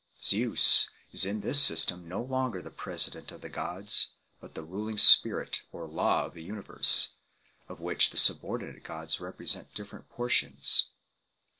Zeus is in this system no longer the president of the gods, but the ruling spirit or law of the universe, of which the subordinate gods represent different portions.